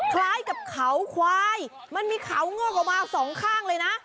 คล้ายกับเขาควายมันมีเขางอกออกมาสองข้างเลยนะ